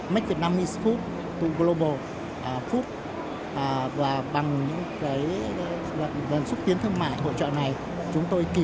make vietnamese food to global food và bằng những lần xúc tiến thương mại hỗ trợ này chúng tôi kỳ